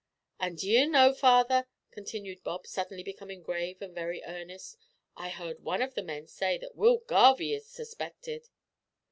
An' d'ee know, father," continued Bob, suddenly becoming grave and very earnest, "I heard one o' the men say that Will Garvie is suspected."